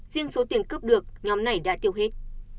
riêng số tiền cướp được nhóm này đã tiêu hết